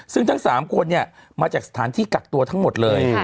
ซึ่งทั้ง๓คนมาจากสถานที่กักตัวทั้งหมดเลย